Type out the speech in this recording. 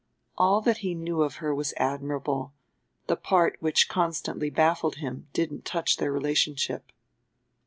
All that he knew of her was admirable; the part which constantly baffled him didn't touch their relationship.